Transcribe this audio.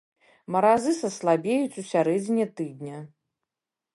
Маразы саслабеюць у сярэдзіне тыдня.